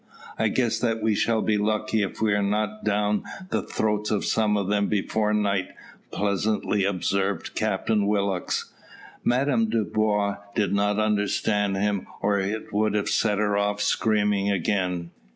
"I guess that we shall be lucky if we are not down the throats of some of them before night," pleasantly observed Captain Willock. Madame Dubois did not understand him, or it would have set her off screaming again.